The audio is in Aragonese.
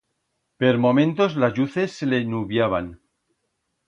Per momentos, las lluces se le nubllaban.